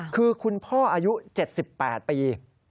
คือคุณพ่ออายุ๗๘ปี